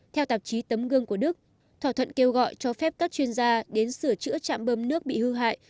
theo tạp chí tấm gương của đức thỏa thuận kêu gọi cho phép các chuyên gia đến sửa chữa chạm bơm nước bị hư hại